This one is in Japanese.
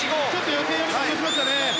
予選より落としましたね。